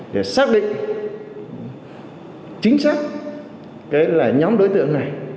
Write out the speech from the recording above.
để xác định chính xác nhóm đối tượng này